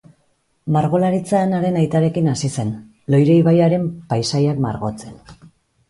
Margolaritzan haren aitarekin hasi zen, Loire ibaiaren paisaiak margotzen.